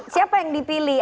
siapa yang dipilih